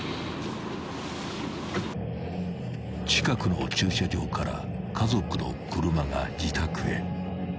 ［近くの駐車場から家族の車が自宅へ］